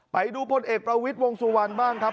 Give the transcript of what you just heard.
ไปดูพลเอกประวิทย์วงสุวรรณบ้างครับ